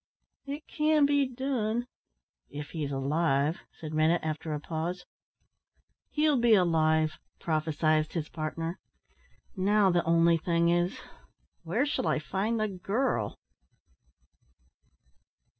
"It can be done if he's alive," said Rennett after a pause. "He'll be alive," prophesied his partner, "now the only thing is where shall I find the girl?"